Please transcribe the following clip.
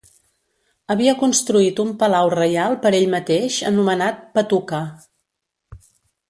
Havia construït un Palau Reial per ell mateix anomenat "Patuka".